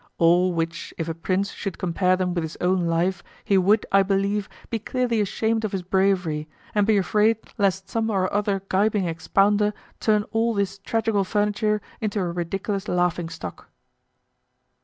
All which if a prince should compare them with his own life, he would, I believe, be clearly ashamed of his bravery, and be afraid lest some or other gibing expounder turn all this tragical furniture into a ridiculous laughingstock.